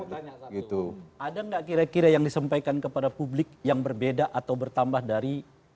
saya mau tanya satu ada gak kira kira yang disampaikan kepada publik yang berbeda atau bertambah dari